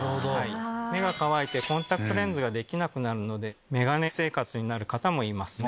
目が乾いてコンタクトレンズができなくなるので眼鏡生活になる方もいますね。